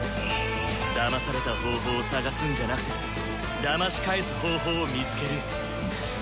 だまされた方法を探すんじゃなくてだまし返す方法を見つける。